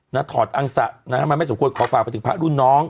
ถอดอังสะนะฮะมันไม่สมควรขอฝากไปถึงพระรุ่นน้อง